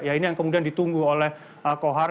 ya ini yang kemudian ditunggu oleh kohar